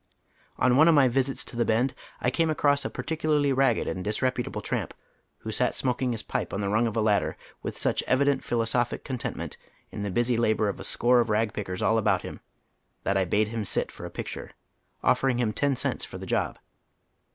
On one of my visits to " the Bend " I came acj oss a pai ticularly ragged and disreputable tramp, who sat smoking his pipe on the rung of a ladder with such evident philo sophic contentment in tlie busy labor of a score of rag pickers all about him, that I bade him sit for a picture, offering liim ten cents for the job.